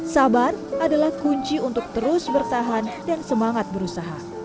sabar adalah kunci untuk terus bertahan dan semangat berusaha